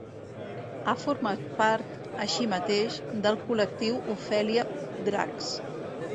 Ha format part, així mateix, del col·lectiu Ofèlia Dracs.